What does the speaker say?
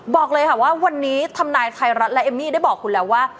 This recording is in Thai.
บอกเลยค่ะว่าวันนี้ทำนายไทยรัฐและเอมมี่ได้บอกคุณแล้วว่า